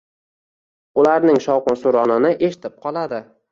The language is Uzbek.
Ularning shovqin-suronini eshitib qoladi.